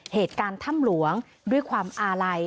เหตุการณ์ถ้ำหลวงด้วยความอาลัย